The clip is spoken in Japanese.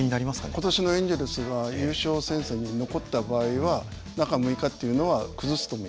今年のエンジェルスが優勝戦線に残った場合は中６日っていうのは崩すと思います。